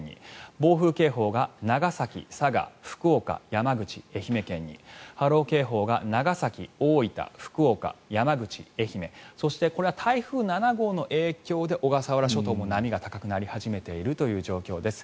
暴風警報が長崎、佐賀福岡、山口、愛媛県に波浪警報が長崎、大分、福岡山口、愛媛そして、これは台風７号の影響で小笠原諸島も波が高くなり始めているという状況です。